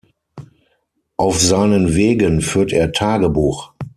Auf seinen Wegen führt er Tagebuch.